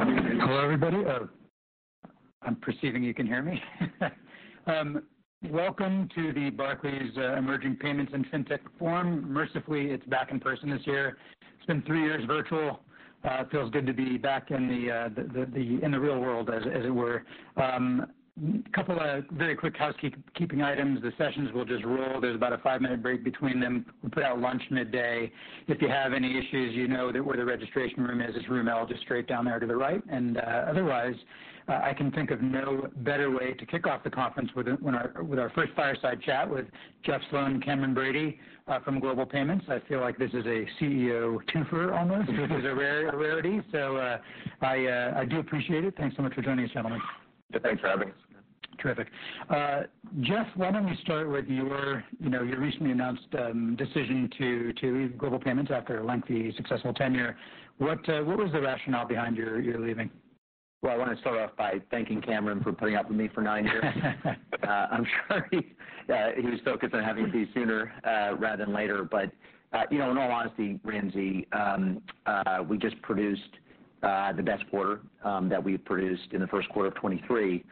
Hello, everybody. I'm perceiving you can hear me. Welcome to the Barclays Emerging Payments and FinTech Forum. Mercifully, it's back in person this year. It's been 3 years virtual. It feels good to be back in the real world, as it were. Couple of very quick housekeeping items. The sessions will just roll. There's about a 5-minute break between them. We put out lunch midday. If you have any issues, you know that where the registration room is. It's room L, just straight down there to the right. Otherwise, I can think of no better way to kick off the conference with our first fireside chat with Jeff Sloan and Cameron Bready from Global Payments. I feel like this is a CEO two-fer almost, which is a rarity. I do appreciate it. Thanks so much for joining us, gentlemen. Yeah, thanks for having us. Terrific. Jeff, why don't we start with your, you know, your recently announced decision to leave Global Payments after a lengthy successful tenure. What, what was the rationale behind your leaving? Well, I wanna start off by thanking Cameron for putting up with me for nine years. I'm sure he was focused on having me leave sooner rather than later. You know, in all honesty, Ramsey, we just produced the best quarter that we've produced in the Q1 of 2023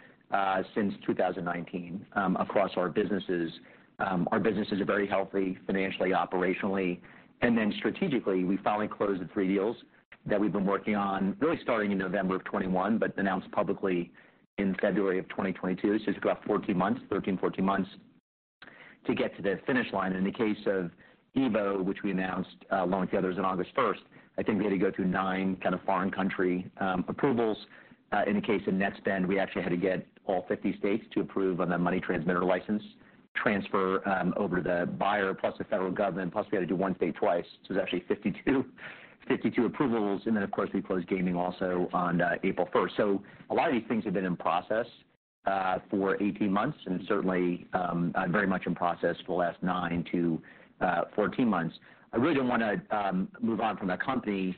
since 2019 across our businesses. Our businesses are very healthy financially, operationally. Strategically, we finally closed the three deals that we've been working on, really starting in November of 2021, but announced publicly in February of 2022. It took about 14 months, 13, 14 months to get to the finish line. In the case of EVO, which we announced, along with the others on August first, I think we had to go through nine kind of foreign country approvals. In the case of Netspend, we actually had to get all 50 states to approve on the money transmitter license transfer over to the buyer, plus the federal government, plus we had to do one state twice. It was actually 52 approvals. Of course, we closed Gaming also on April first. A lot of these things have been in process for 18 months, and certainly very much in process for the last 9 to 14 months. I really didn't wanna move on from that company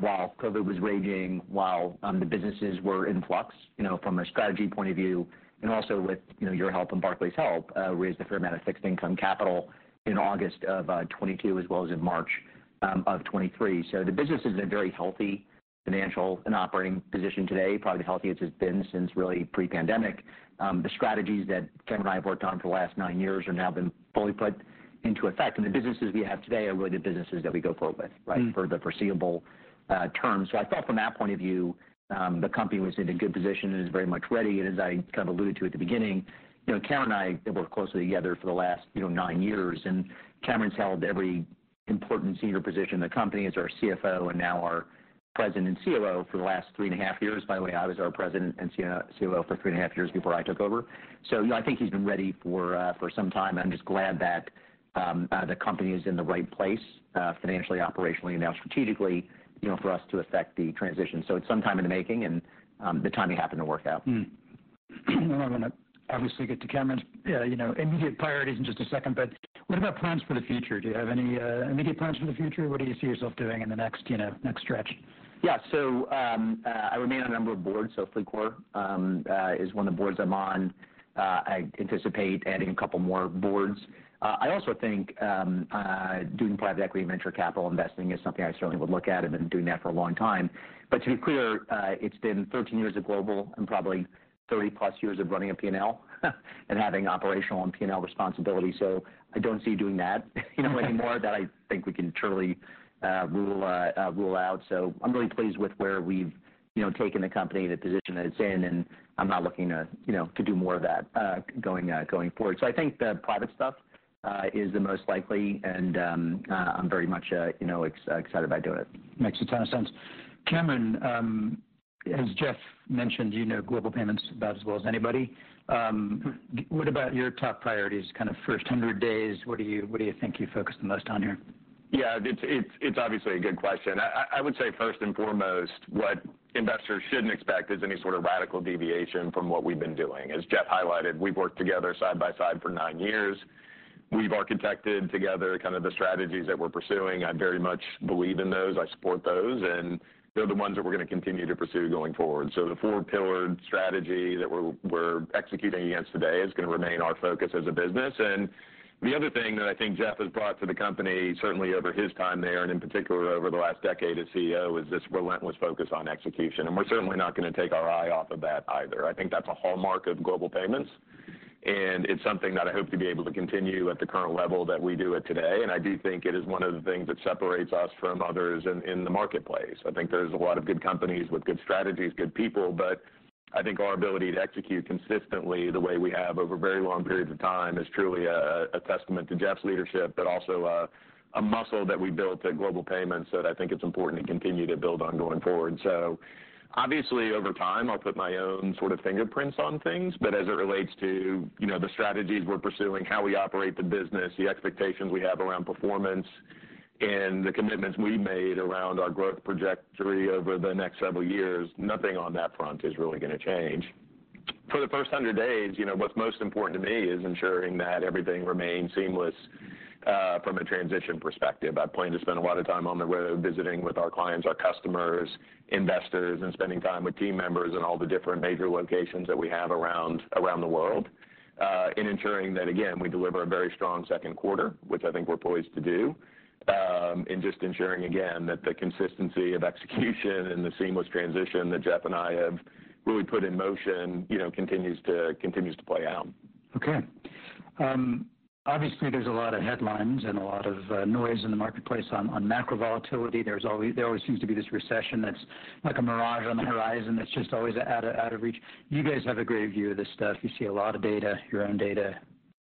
while COVID was raging, while the businesses were in flux, you know, from a strategy point of view, and also with, you know, your help and Barclays' help, raised a fair amount of fixed income capital in August of 2022 as well as in March of 2023. The business is in a very healthy financial and operating position today, probably the healthiest it's been since really pre-pandemic. The strategies that Cameron and I have worked on for the last nine years are now been fully put into effect, and the businesses we have today are really the businesses that we go forward with, right, for the foreseeable term. I thought from that point of view, the company was in a good position and is very much ready. As I kind of alluded to at the beginning, you know, Cam and I have worked closely together for the last, you know, 9 years, and Cameron's held every important senior position in the company as our CFO and now our President and COO for the last 3.5 years. By the way, I was our President and CEO, COO for 3.5 years before I took over. You know, I think he's been ready for some time. I'm just glad that the company is in the right place, financially, operationally, and now strategically, you know, for us to effect the transition. It's some time in the making and the timing happened to work out. I'm gonna obviously get to Cameron's, you know, immediate priorities in just a second. What about plans for the future? Do you have any, immediate plans for the future? What do you see yourself doing in the next, you know, next stretch? I remain on a number of boards. Flywire is one of the boards I'm on. I anticipate adding a couple more boards. I also think doing private equity and venture capital investing is something I certainly would look at, have been doing that for a long time. To be clear, it's been 13 years of Global and probably 30+ years of running a P&L and having operational and P&L responsibility. I don't see doing that, you know, anymore. That I think we can truly rule out. I'm really pleased with where we've, you know, taken the company and the position that it's in, and I'm not looking to, you know, to do more of that going forward. I think the private stuff is the most likely, and I'm very much, you know, excited about doing it. Makes a ton of sense. Cameron, as Jeff mentioned, you know Global Payments about as well as anybody. What about your top priorities, kind of first 100 days, what do you think you focus the most on here? It's obviously a good question. I would say first and foremost, what investors shouldn't expect is any sort of radical deviation from what we've been doing. As Jeff highlighted, we've worked together side by side for nine years. We've architected together kind of the strategies that we're pursuing. I very much believe in those, I support those, and they're the ones that we're gonna continue to pursue going forward. The four-pillared strategy that we're executing against today is gonna remain our focus as a business. The other thing that I think Jeff has brought to the company, certainly over his time there, and in particular over the last decade as CEO, is this relentless focus on execution, and we're certainly not gonna take our eye off of that either. I think that's a hallmark of Global Payments, and it's something that I hope to be able to continue at the current level that we do it today. I do think it is one of the things that separates us from others in the marketplace. I think there's a lot of good companies with good strategies, good people, but I think our ability to execute consistently the way we have over very long periods of time is truly a testament to Jeff's leadership, but also a muscle that we built at Global Payments that I think it's important to continue to build on going forward. Obviously, over time, I'll put my own sort of fingerprints on things, but as it relates to, you know, the strategies we're pursuing, how we operate the business, the expectations we have around performance, and the commitments we made around our growth trajectory over the next several years, nothing on that front is really gonna change. For the first 100 days, you know, what's most important to me is ensuring that everything remains seamless from a transition perspective. I plan to spend a lot of time on the road visiting with our clients, our customers, investors, and spending time with team members in all the different major locations that we have around the world, and ensuring that, again, we deliver a very strong Q2, which I think we're poised to do. Just ensuring again that the consistency of execution and the seamless transition that Jeff and I have really put in motion, you know, continues to play out. Obviously there's a lot of headlines and a lot of noise in the marketplace on macro volatility. There always seems to be this recession that's like a mirage on the horizon that's just always out of reach. You guys have a great view of this stuff. You see a lot of data, your own data.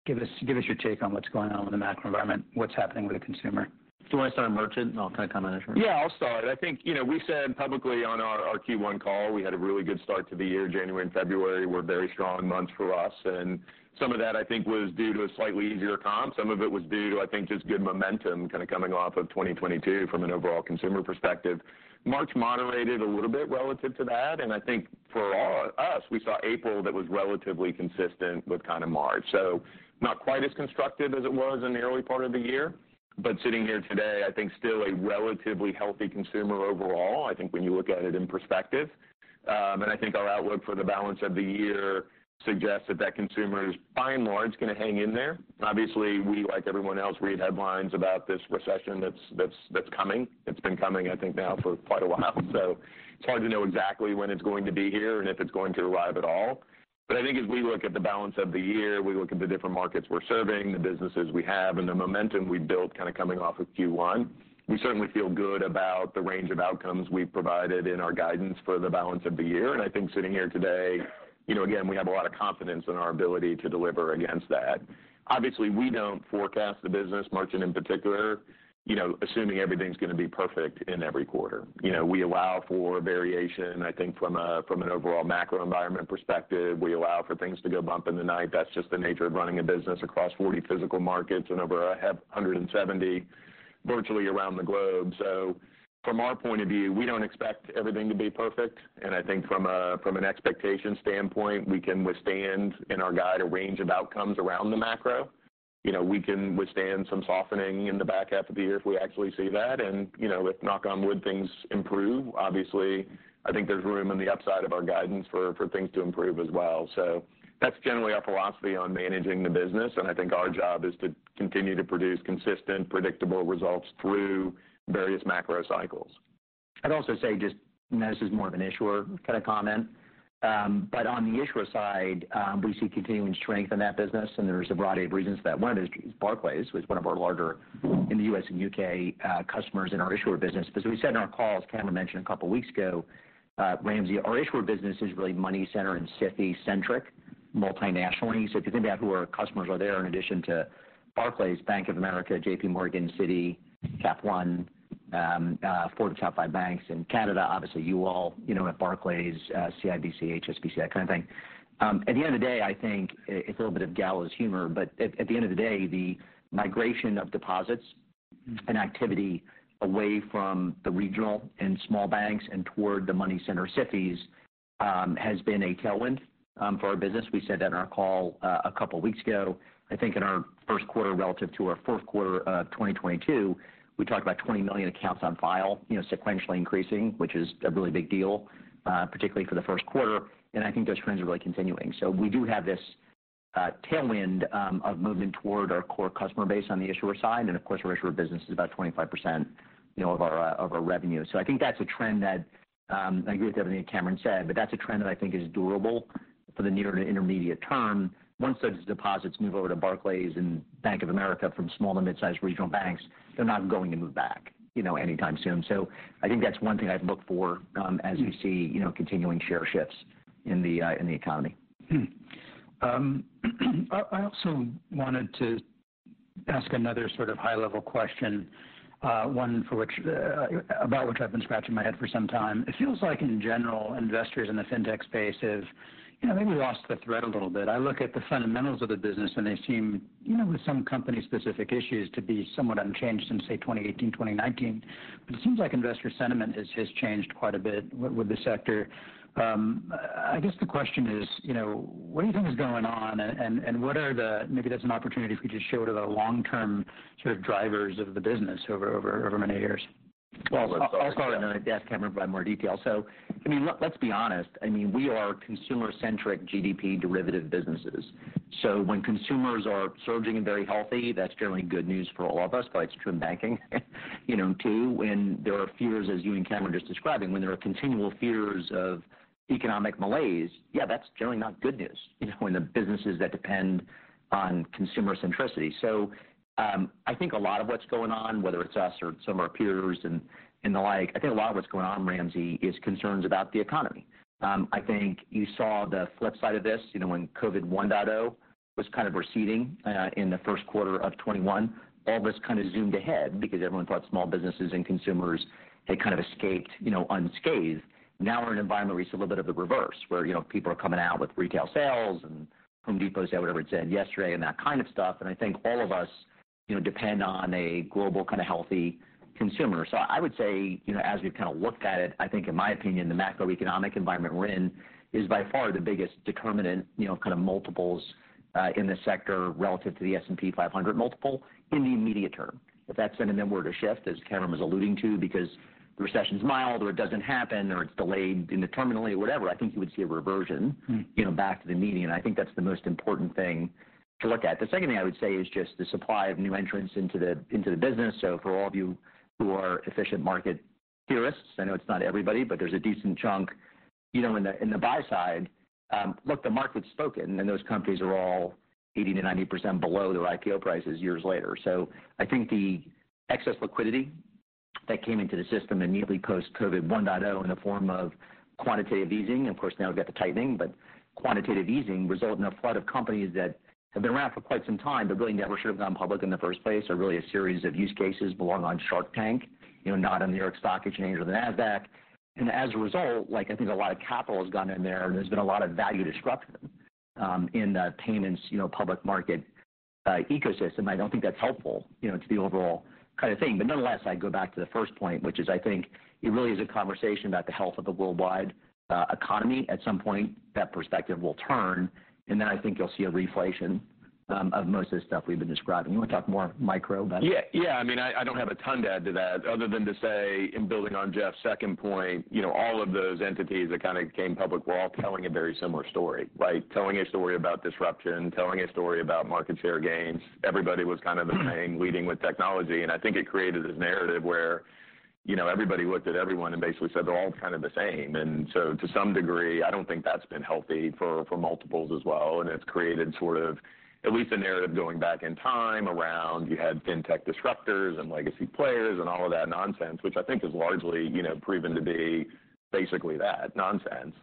Give us your take on what's going on with the macro environment, what's happening with the consumer. Do you want to start on merchant, and I'll kind of comment afterwards? Yeah, I'll start. I think, you know, we said publicly on our Q1 call, we had a really good start to the year. January and February were very strong months for us, and some of that I think was due to a slightly easier comp. Some of it was due to, I think, just good momentum kind of coming off of 2022 from an overall consumer perspective. March moderated a little bit relative to that, and I think us, we saw April that was relatively consistent with kind of March. Not quite as constructive as it was in the early part of the year. Sitting here today, I think still a relatively healthy consumer overall, I think when you look at it in perspective. I think our outlook for the balance of the year suggests that that consumer is by and large going to hang in there. Obviously, we, like everyone else, read headlines about this recession that's coming. It's been coming, I think now for quite a while. It's hard to know exactly when it's going to be here and if it's going to arrive at all. I think as we look at the balance of the year, we look at the different markets we're serving, the businesses we have and the momentum we built kind of coming off of Q1. We certainly feel good about the range of outcomes we've provided in our guidance for the balance of the year. I think sitting here today, you know, again, we have a lot of confidence in our ability to deliver against that. We don't forecast the business merchant in particular, you know, assuming everything's going to be perfect in every quarter. We allow for variation, I think from an overall macro environment perspective. We allow for things to go bump in the night. That's just the nature of running a business across 40 physical markets and over 170 virtually around the globe. From our point of view, we don't expect everything to be perfect. I think from an expectation standpoint, we can withstand in our guide a range of outcomes around the macro. We can withstand some softening in the back half of the year if we actually see that. You know, if, knock on wood, things improve, obviously, I think there's room in the upside of our guidance for things to improve as well. That's generally our philosophy on managing the business, and I think our job is to continue to produce consistent, predictable results through various macro cycles. I'd also say just, this is more of an issuer kind of comment. On the issuer side, we see continuing strength in that business, and there's a variety of reasons for that. One is Barclays, who's one of our larger in the U.S. and U.K., customers in our issuer business. Because we said in our call, as Cameron mentioned a couple of weeks ago, Ramsey, our issuer business is really money center and SIFI-centric, multi-nationally. If you think about who our customers are there, in addition to Barclays, Bank of America, JP Morgan, Citi, Capital One, four of the top five banks in Canada, obviously you all, you know, at Barclays, CIBC, HSBC, that kind of thing. At the end of the day, I think a little bit of gallows humor, but at the end of the day, the migration of deposits and activity away from the regional and small banks and toward the money center SIFIs has been a tailwind for our business. We said that in our call a couple weeks ago. I think in our Q1 relative to our Q4 of 2022, we talked about 20 million accounts on file, you know, sequentially increasing, which is a really big deal, particularly for the Q1. I think those trends are really continuing. We do have this tailwind of movement toward our core customer base on the issuer side. Of course, our issuer business is about 25%, you know, of our revenue. I think that's a trend that I agree with everything Cameron said, but that's a trend that I think is durable for the near to intermediate term. Once those deposits move over to Barclays and Bank of America from small to mid-sized regional banks, they're not going to move back, you know, anytime soon. I think that's one thing I'd look for as we see, you know, continuing share shifts in the economy. I also wanted to ask another sort of high-level question, one for which, about which I've been scratching my head for some time. It feels like in general, investors in the Fintech space have, you know, maybe lost the thread a little bit. I look at the fundamentals of the business and they seem, you know, with some company-specific issues to be somewhat unchanged since, say, 2018, 2019. It seems like investor sentiment has changed quite a bit with the sector. I guess the question is, you know, what do you think is going on and, maybe that's an opportunity for you to show to the long-term sort of drivers of the business over many years. Well, I'll start and then ask Cameron to provide more detail. I mean, let's be honest. I mean, we are consumer-centric GDP derivative businesses. When consumers are surging and very healthy, that's generally good news for all of us, but it's true in banking, you know, too. When there are fears, as you and Cameron just describing, when there are continual fears of economic malaise, yeah, that's generally not good news, you know, when the businesses that depend on consumer centricity. I think a lot of what's going on, whether it's us or some of our peers and the like, I think a lot of what's going on, Ramsey, is concerns about the economy. I think you saw the flip side of this, you know, when COVID 1.0 was kind of receding in the Q1 of 21. All of us kind of zoomed ahead because everyone thought small businesses and consumers had kind of escaped, you know, unscathed. Now we're in an environment where it's a little bit of the reverse, where, you know, people are coming out with retail sales and The Home Depot said whatever it said yesterday and that kind of stuff. I think all of us, you know, depend on a global kind of healthy consumer. I would say, you know, as we've kind of looked at it, I think in my opinion, the macroeconomic environment we're in is by far the biggest determinant, you know, kind of multiples in this sector relative to the S&P 500 multiple in the immediate term. If that sentiment were to shift, as Cameron was alluding to, because the recession's mild, or it doesn't happen, or it's delayed indefinitely or whatever, I think you would see a reversion. You know, back to the median. I think that's the most important thing to look at. The second thing I would say is just the supply of new entrants into the, into the business. For all of you who are efficient market theorists, I know it's not everybody, but there's a decent chunk, you know, in the, in the buy side. Look, the market's spoken, those companies are all 80% to 90% below their IPO prices years later. I think the excess liquidity that came into the system immediately post-COVID 1.0 in the form of quantitative easing, of course, now we've got the tightening, quantitative easing resulting in a flood of companies that have been around for quite some time, but really never should have gone public in the first place, are really a series of use cases belong on Shark Tank, you know, not on the New York Stock Exchange or the Nasdaq. As a result, like, I think a lot of capital has gone in there, and there's been a lot of value disruption, in the payments, you know, public market, ecosystem. I don't think that's helpful, you know, to the overall kind of thing. Nonetheless, I go back to the first point, which is, I think it really is a conversation about the health of the worldwide, economy. At some point, that perspective will turn, and then I think you'll see a reflation of most of the stuff we've been describing. You want to talk more micro about it? Yeah. Yeah. I mean, I don't have a ton to add to that other than to say, in building on Jeff's second point, you know, all of those entities that kind of came public were all telling a very similar story, right? Telling a story about disruption, telling a story about market share gains. Everybody was kind of the same, leading with technology. I think it created this narrative where, you know, everybody looked at everyone and basically said they're all kind of the same. To some degree, I don't think that's been healthy for multiples as well, and it's created sort of at least a narrative going back in time around you had fintech disruptors and legacy players and all of that nonsense, which I think is largely, you know, proven to be basically that, nonsense.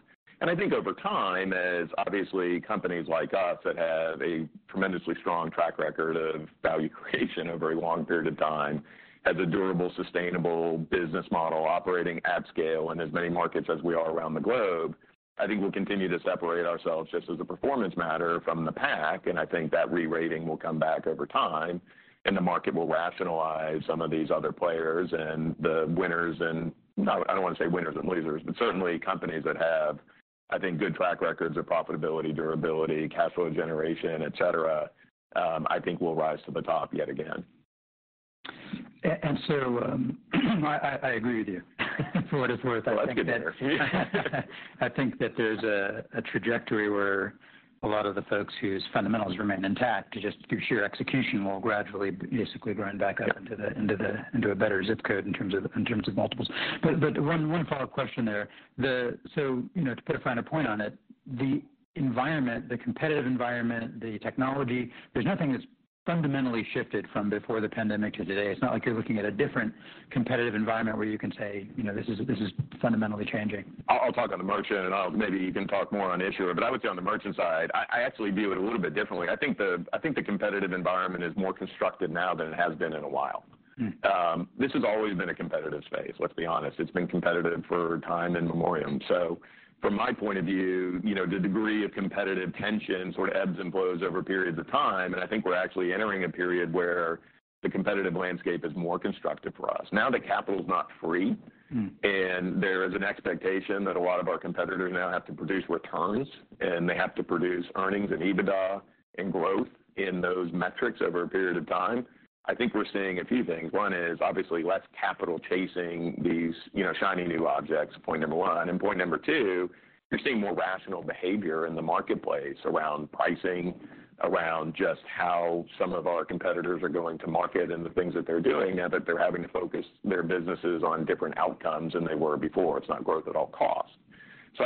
I think over time, as obviously companies like us that have a tremendously strong track record of value creation over a very long period of time, has a durable, sustainable business model operating at scale in as many markets as we are around the globe, I think we'll continue to separate ourselves just as a performance matter from the pack. I think that re-rating will come back over time. The market will rationalize some of these other players and the winners. I don't want to say winners and losers, but certainly companies that have, I think, good track records of profitability, durability, cash flow generation, et cetera, I think will rise to the top yet again. I agree with you for what it's worth. Well, that's good to hear. I think that there's a trajectory where a lot of the folks whose fundamentals remain intact, just through sheer execution, will gradually basically run back up into the into a better ZIP code in terms of, in terms of multiples. One follow-up question there. You know, to put a finer point on it, the environment, the competitive environment, the technology, there's nothing that's fundamentally shifted from before the pandemic to today. It's not like you're looking at a different competitive environment where you can say, "You know, this is, this is fundamentally changing. I'll talk on the merchant and maybe you can talk more on issuer. I would say on the merchant side, I actually view it a little bit differently. I think the competitive environment is more constructive now than it has been in a while. This has always been a competitive space, let's be honest. It's been competitive for time immemorial. From my point of view, you know, the degree of competitive tension sort of ebbs and flows over periods of time, and I think we're actually entering a period where the competitive landscape is more constructive for us. Now that capital is not free- There is an expectation that a lot of our competitors now have to produce returns. They have to produce earnings and EBITDA and growth in those metrics over a period of time. I think we're seeing a few things. One is obviously less capital chasing these, you know, shiny new objects. Point number two, you're seeing more rational behavior in the marketplace around pricing, around just how some of our competitors are going to market and the things that they're doing now that they're having to focus their businesses on different outcomes than they were before. It's not growth at all costs.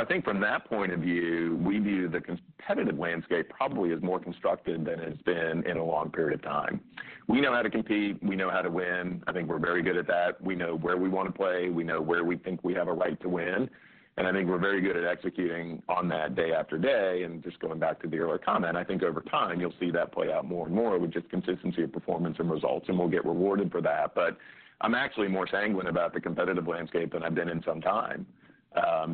I think from that point of view, we view the competitive landscape probably as more constructive than it's been in a long period of time. We know how to compete. We know how to win. I think we're very good at that. We know where we want to play, we know where we think we have a right to win, and I think we're very good at executing on that day after day. Just going back to the earlier comment, I think over time you'll see that play out more and more with just consistency of performance and results, and we'll get rewarded for that. I'm actually more sanguine about the competitive landscape than I've been in some time.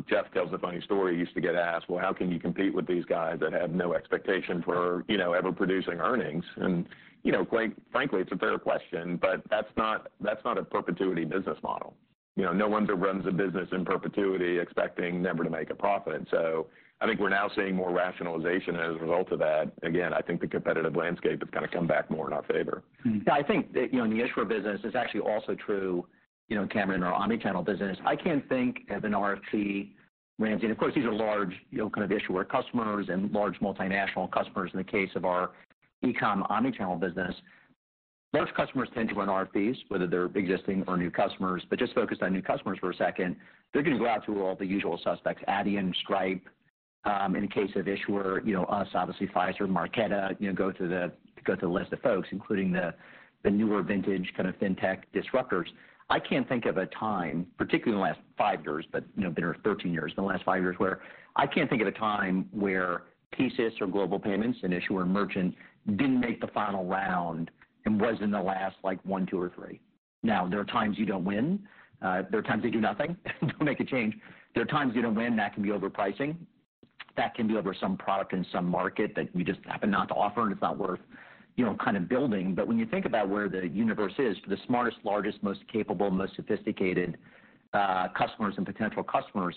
Jeff tells a funny story. He used to get asked, "Well, how can you compete with these guys that have no expectation for, you know, ever producing earnings?" You know, quite frankly, it's a fair question, but that's not, that's not a perpetuity business model. You know, no one runs a business in perpetuity expecting never to make a profit. I think we're now seeing more rationalization as a result of that. Again, I think the competitive landscape is gonna come back more in our favor. Yeah, I think, you know, in the issuer business, it's actually also true, you know, Cameron, in our omni-channel business. I can't think of an RFP, Ramsey, and of course, these are large, you know, kind of issuer customers and large multinational customers in the case of our e-com omni-channel business. Most customers tend to win RFPs, whether they're existing or new customers, but just focused on new customers for a second. They're gonna go out to all the usual suspects, Adyen, Stripe, in the case of issuer, you know, us, obviously, Fiserv, Marqeta, you know, go to the list of folks, including the newer vintage kind of fintech disruptors. I can't think of a time, particularly in the last five years, but you know, been there 13 years, the last five years, where I can't think of a time where TSYS or Global Payments, an issuer merchant, didn't make the final round and was in the last, like, one, two or three. There are times you don't win. There are times you don't make a change. There are times you don't win. That can be over pricing. That can be over some product in some market that we just happen not to offer, and it's not worth, you know, kind of building. When you think about where the universe is for the smartest, largest, most capable, most sophisticated customers and potential customers,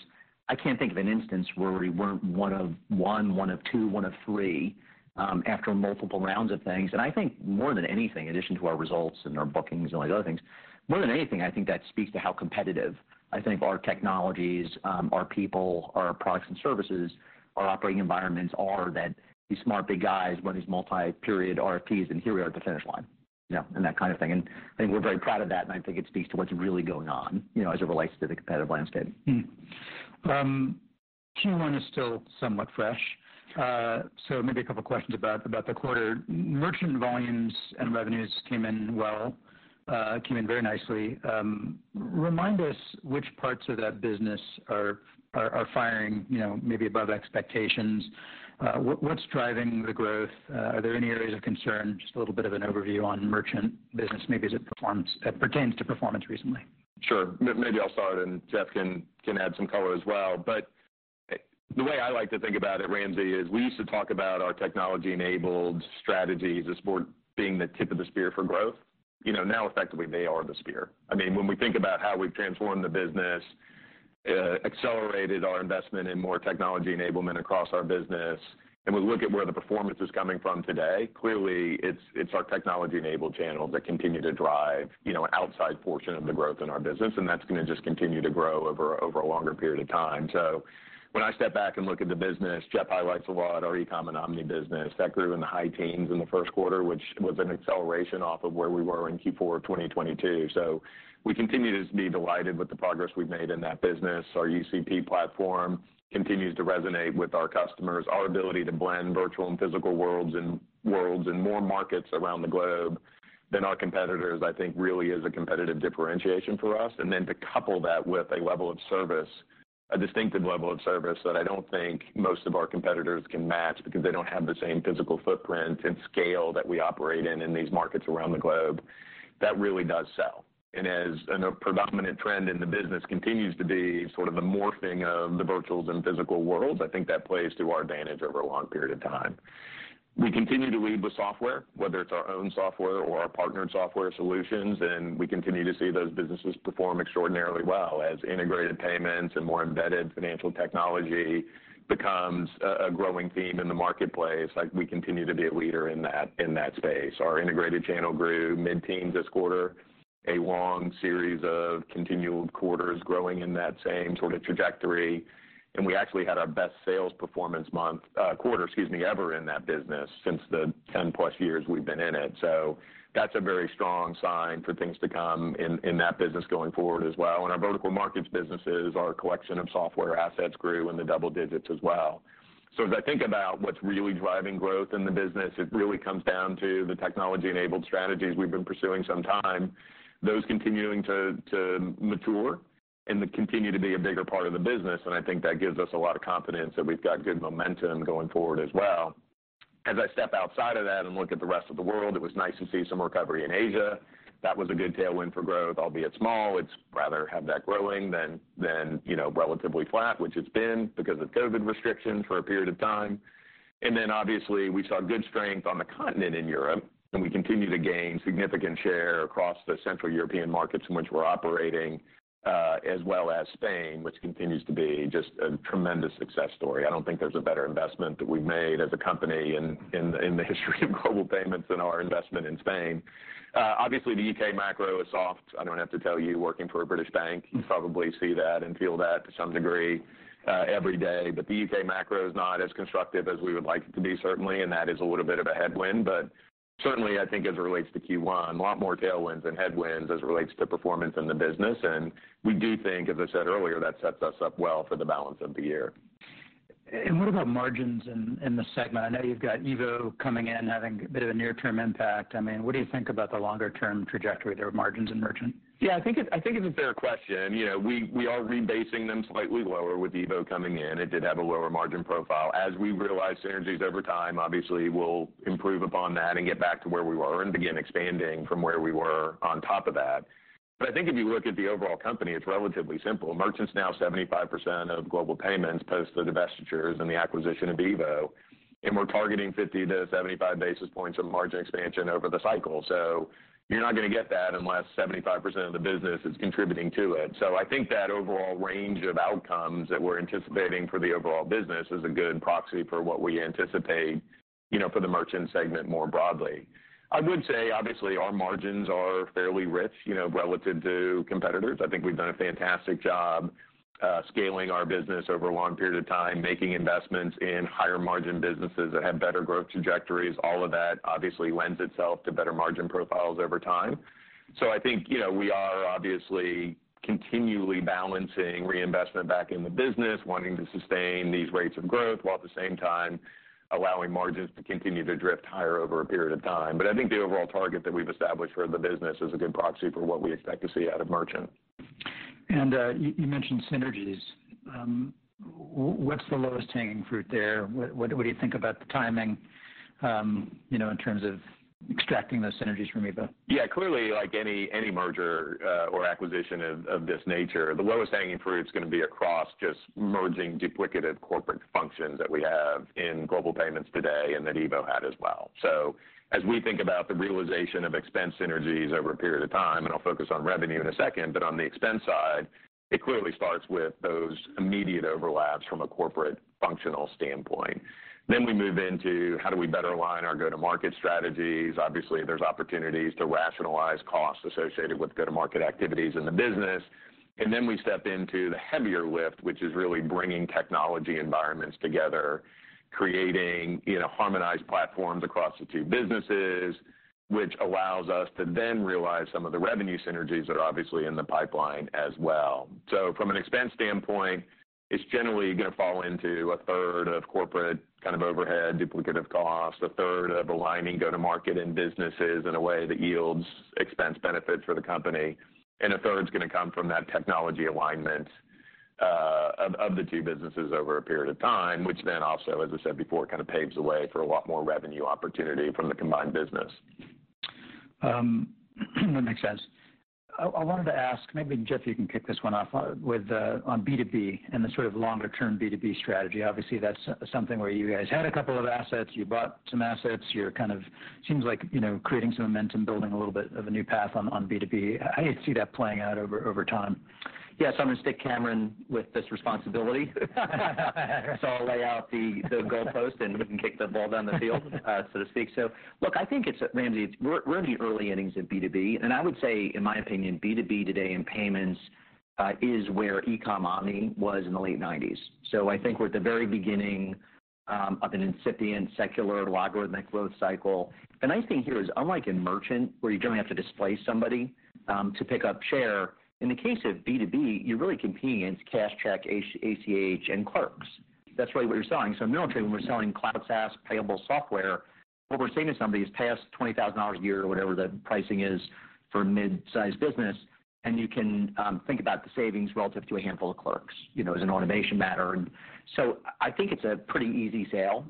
I can't think of an instance where we weren't one of one of two, one of three after multiple rounds of things. I think more than anything, in addition to our results and our bookings and all these other things, more than anything, I think that speaks to how competitive I think our technologies, our people, our products and services, our operating environments are that these smart, big guys run these multi-period RFPs, and here we are at the finish line, you know, and that kind of thing. I think we're very proud of that, and I think it speaks to what's really going on, you know, as it relates to the competitive landscape. Q1 is still somewhat fresh. Maybe a couple questions about the quarter. Merchant volumes and revenues came in well, came in very nicely. Remind us which parts of that business are firing, you know, maybe above expectations. What's driving the growth? Are there any areas of concern? Just a little bit of an overview on merchant business maybe as it pertains to performance recently. Maybe I'll start and Jeff can add some color as well. The way I like to think about it, Ramsey, is we used to talk about our technology-enabled strategies as more being the tip of the spear for growth. You know, now effectively they are the spear. I mean, when we think about how we've transformed the business, accelerated our investment in more technology enablement across our business, and we look at where the performance is coming from today, clearly it's our technology-enabled channels that continue to drive, you know, an outsized portion of the growth in our business, and that's gonna just continue to grow over a longer period of time. When I step back and look at the business, Jeff highlights a lot our e-com and omni business that grew in the high teens in the Q1, which was an acceleration off of where we were in Q4 of 2022. We continue to be delighted with the progress we've made in that business. Our UCP platform continues to resonate with our customers. Our ability to blend virtual and physical worlds in more markets around the globe than our competitors, I think, really is a competitive differentiation for us. To couple that with a level of service, a distinctive level of service that I don't think most of our competitors can match because they don't have the same physical footprint and scale that we operate in in these markets around the globe, that really does sell. As a predominant trend in the business continues to be sort of the morphing of the virtual and physical worlds, I think that plays to our advantage over a long period of time. We continue to lead with software, whether it's our own software or our partnered software solutions. We continue to see those businesses perform extraordinarily well. As integrated payments and more embedded financial technology becomes a growing theme in the marketplace, like we continue to be a leader in that, in that space. Our integrated channel grew mid-teen this quarter, a long series of continual quarters growing in that same sort of trajectory. We actually had our best sales performance quarter, excuse me, ever in that business since the 10-plus years we've been in it. That's a very strong sign for things to come in that business going forward as well. In our vertical markets businesses, our collection of software assets grew in the double digits as well. As I think about what's really driving growth in the business, it really comes down to the technology-enabled strategies we've been pursuing some time, those continuing to mature and continue to be a bigger part of the business. I think that gives us a lot of confidence that we've got good momentum going forward as well. As I step outside of that and look at the rest of the world, it was nice to see some recovery in Asia. That was a good tailwind for growth, albeit small. It's rather have that growing than, you know, relatively flat, which it's been because of COVID restrictions for a period of time. Obviously, we saw good strength on the continent in Europe, and we continue to gain significant share across the central European markets in which we're operating, as well as Spain, which continues to be just a tremendous success story. I don't think there's a better investment that we've made as a company in the history of Global Payments than our investment in Spain. Obviously the UK macro is soft. I don't have to tell you, working for a British bank, you probably see that and feel that to some degree, every day. The UK macro is not as constructive as we would like it to be certainly, and that is a little bit of a headwind. Certainly, I think as it relates to Q1, a lot more tailwinds than headwinds as it relates to performance in the business. We do think, as I said earlier, that sets us up well for the balance of the year. What about margins in the segment? I know you've got EVO coming in, having a bit of a near-term impact. I mean, what do you think about the longer-term trajectory there of margins in merchant? Yeah, I think it's a fair question. You know, we are rebasing them slightly lower with EVO coming in. It did have a lower margin profile. As we realize synergies over time, obviously we'll improve upon that and get back to where we were and begin expanding from where we were on top of that. I think if you look at the overall company, it's relatively simple. Merchants now 75% of Global Payments post the divestitures and the acquisition of EVO, and we're targeting 50 to 75 basis points of margin expansion over the cycle. You're not gonna get that unless 75% of the business is contributing to it. I think that overall range of outcomes that we're anticipating for the overall business is a good proxy for what we anticipate, you know, for the merchant segment more broadly. I would say, obviously, our margins are fairly rich, you know, relative to competitors. I think we've done a fantastic job scaling our business over a long period of time, making investments in higher margin businesses that have better growth trajectories. All of that obviously lends itself to better margin profiles over time. I think, you know, we are obviously continually balancing reinvestment back in the business, wanting to sustain these rates of growth, while at the same time allowing margins to continue to drift higher over a period of time. I think the overall target that we've established for the business is a good proxy for what we expect to see out of merchant. You mentioned synergies. What's the lowest hanging fruit there? What do you think about the timing, you know, in terms of extracting those synergies from EVO? Yeah. Clearly, like any merger or acquisition of this nature, the lowest hanging fruit is gonna be across just merging duplicative corporate functions that we have in Global Payments today and that EVO had as well. As we think about the realization of expense synergies over a period of time, and I'll focus on revenue in a second, but on the expense side, it clearly starts with those immediate overlaps from a corporate functional standpoint. We move into how do we better align our go-to-market strategies. Obviously, there's opportunities to rationalize costs associated with go-to-market activities in the business. We step into the heavier lift, which is really bringing technology environments together, creating, you know, harmonized platforms across the two businesses, which allows us to then realize some of the revenue synergies that are obviously in the pipeline as well. From an expense standpoint, it's generally gonna fall into a third of corporate kind of overhead duplicative costs, a third of aligning go to market in businesses in a way that yields expense benefits for the company, and a third's gonna come from that technology alignment, of the two businesses over a period of time, which then also, as I said before, kind of paves the way for a lot more revenue opportunity from the combined business. That makes sense. I wanted to ask, maybe Jeff, you can kick this one off, with on B2B and the sort of longer-term B2B strategy. Obviously, that's something where you guys had a couple of assets, you bought some assets. You're kind of seems like, you know, creating some momentum, building a little bit of a new path on B2B. How do you see that playing out over time? I'm gonna stick Cameron with this responsibility. I'll lay out the goalpost, and we can kick the ball down the field, so to speak. Look, I think it's Ramsey, we're in the early innings of B2B, and I would say, in my opinion, B2B today in payments, is where eCom Omni was in the late nineties. I think we're at the very beginning of an incipient secular logarithmic growth cycle. The nice thing here is, unlike in merchant, where you generally have to displace somebody, to pick up share, in the case of B2B, you're really competing against cash, check, ACH and clerks. That's really what you're selling. In MineralTree, when we're selling cloud SaaS payable software, what we're saying to somebody is pay us $20,000 a year or whatever the pricing is for mid-sized business, and you can think about the savings relative to a handful of clerks, you know, as an automation matter. I think it's a pretty easy sale.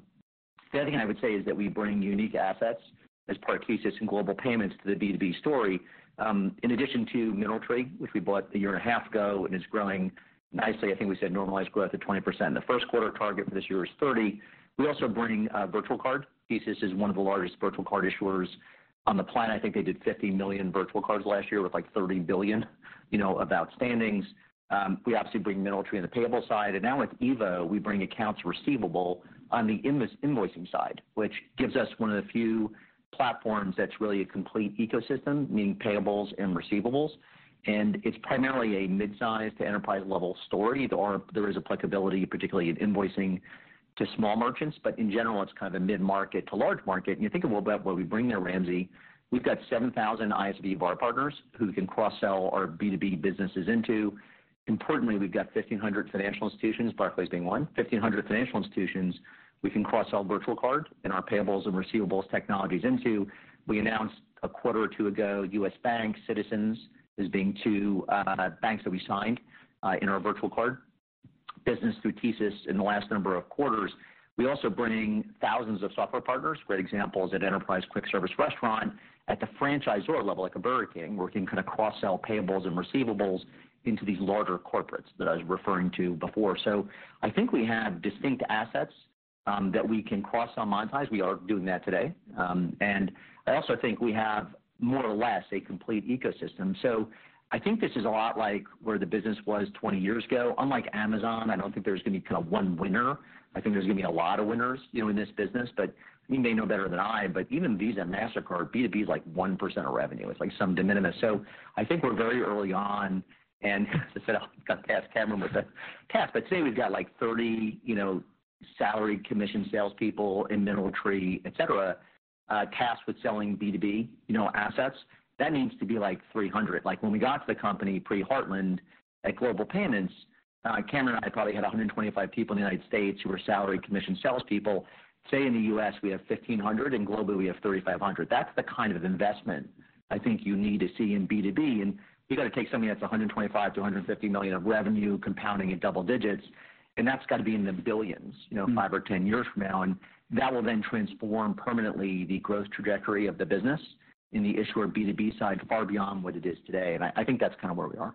The other thing I would say is that we bring unique assets as part of TSYS and Global Payments to the B2B story. In addition to MineralTree, which we bought a year and a half ago and is growing nicely, I think we said normalized growth of 20%. The Q1 target for this year is 30%. We're also bringing virtual card. TSYS is one of the largest virtual card issuers on the planet. I think they did 50 million virtual cards last year with, like, $30 billion, you know, of outstandings. We obviously bring MineralTree on the payable side. Now with EVO, we bring accounts receivable on the invoicing side, which gives us one of the few platforms that's really a complete ecosystem, meaning payables and receivables. It's primarily a mid-sized to enterprise level story. There is applicability, particularly in invoicing to small merchants, but in general, it's kind of a mid-market to large market. You think about what we bring there, Ramsey. We've got 7,000 ISV VAR partners who we can cross-sell our B2B businesses into. Importantly, we've got 1,500 financial institutions, Barclays being one. 1,500 financial institutions we can cross-sell virtual card and our payables and receivables technologies into. We announced a quarter or two ago, U.S. Bank, Citizens as being two banks that we signed in our virtual card business through TSYS in the last number of quarters. We're also bringing thousands of software partners, great examples at enterprise quick service restaurant at the franchisor level, like a Burger King. We can kind of cross-sell payables and receivables into these larger corporates that I was referring to before. I think we have distinct assets that we can cross-sell, monetize. We are doing that today. I also think we have more or less a complete ecosystem. I think this is a lot like where the business was 20 years ago. Unlike Amazon, I don't think there's gonna be kinda one winner. I think there's gonna be a lot of winners, you know, in this business. You may know better than I, but even Visa, Mastercard, B2B is like 1% of revenue. It's like some de minimis. I think we're very early on. As I said, I've gotta task Cameron with that task. Today we've got like 30, you know, salaried commission salespeople in MineralTree, et cetera, tasked with selling B2B, you know, assets. That needs to be like 300. Like, when we got to the company pre-Heartland at Global Payments, Cameron and I probably had 125 people in the United States who are salaried commission salespeople. Today in the U.S., we have 1,500, and globally we have 3,500. That's the kind of investment I think you need to see in B2B. You gotta take something that's $125-$150 million of revenue compounding at double digits, and that's gotta be in the billions, you know, five or 10 years from now. That will then transform permanently the growth trajectory of the business in the issuer B2B side far beyond what it is today. I think that's kinda where we are.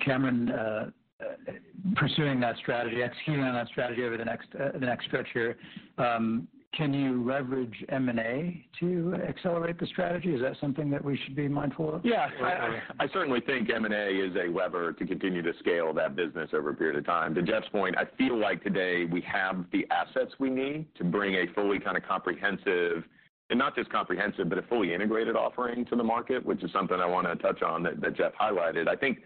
Cameron, pursuing that strategy, executing on that strategy over the next, the next stretch here, can you leverage M&A to accelerate the strategy? Is that something that we should be mindful of? Yeah. I certainly think M&A is a lever to continue to scale that business over a period of time. To Jeff's point, I feel like today we have the assets we need to bring a fully kinda comprehensive, and not just comprehensive, but a fully integrated offering to the market, which is something I wanna touch on that Jeff highlighted. I think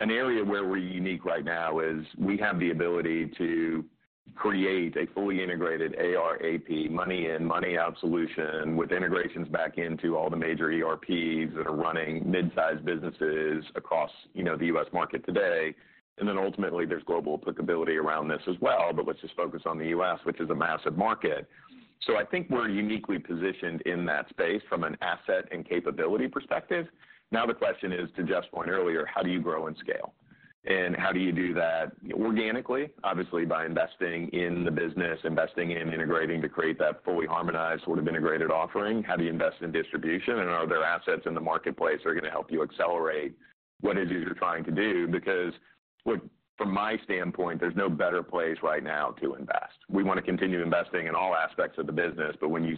an area where we're unique right now is we have the ability to create a fully integrated AR/AP, money in, money out solution with integrations back into all the major ERPs that are running mid-sized businesses across, you know, the U.S. market today. Ultimately, there's global applicability around this as well. Let's just focus on the U.S., which is a massive market. I think we're uniquely positioned in that space from an asset and capability perspective. The question is, to Jeff's point earlier, how do you grow and scale? How do you do that organically? Obviously, by investing in the business, investing in integrating to create that fully harmonized sort of integrated offering. How do you invest in distribution? Are there assets in the marketplace that are going to help you accelerate what it is you're trying to do? Look, from my standpoint, there's no better place right now to invest. We want to continue investing in all aspects of the business. When you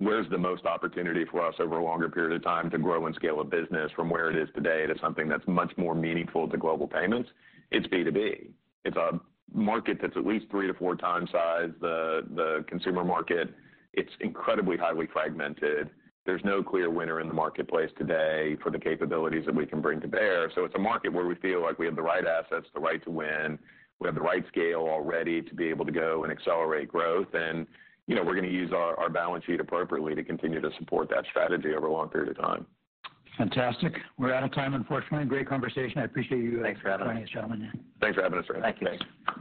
say, "Where's the most opportunity for us over a longer period of time to grow and scale a business from where it is today to something that's much more meaningful to Global Payments?" It's B2B. It's a market that's at least 3-4 times the consumer market. It's incredibly highly fragmented. There's no clear winner in the marketplace today for the capabilities that we can bring to bear. It's a market where we feel like we have the right assets, the right to win. We have the right scale already to be able to go and accelerate growth. You know, we're gonna use our balance sheet appropriately to continue to support that strategy over a long period of time. Fantastic. We're out of time, unfortunately. Great conversation. I appreciate. Thanks for having me. joining us, gentlemen. Yeah. Thanks for having us, Ramsey. Thank you. Thanks.